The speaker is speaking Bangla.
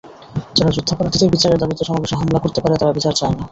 যারা যুদ্ধাপরাধীদের বিচারের দাবিতে সমাবেশে হামলা করতে পারে, তারা বিচার চায় না।